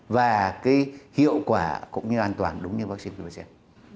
và cái hiệu quả cũng như an toàn đúng như vaccine quimaxem